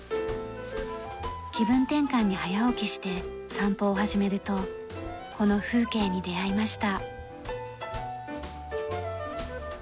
気分転換に早起きして散歩を始めるとこの風景に出会いました。